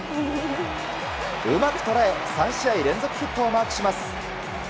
うまく捉え、３試合連続ヒットをマークします。